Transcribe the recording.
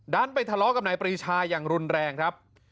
ไปทะเลาะกับนายปรีชาอย่างรุนแรงครับ